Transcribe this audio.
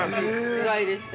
◆意外でした。